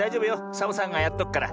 サボさんがやっとくから。